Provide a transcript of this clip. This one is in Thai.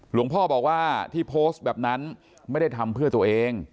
หลวงพ่อบอกว่าที่โพสต์แบบนั้นไม่ได้ทำเพื่อตัวเอง